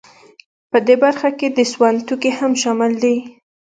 په دې برخه کې د سون توکي هم شامل دي